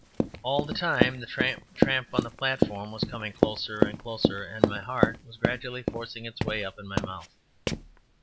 All the time the tramp, tramp on the platform was coming closer and closer, and my heart was gradually forcing its way up in my mouth.